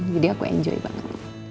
jadi aku enjoy banget